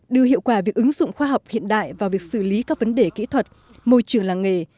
đưa hiệu quả việc ứng dụng khoa học hiện đại vào việc xử lý các vấn đề kỹ thuật môi trường làng nghề